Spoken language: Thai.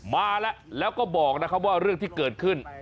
มาแล้วแล้วก็บอกนะครับว่าเรื่องที่เกิดขึ้น